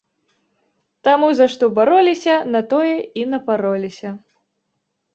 Таму за што бароліся, на тое і напароліся.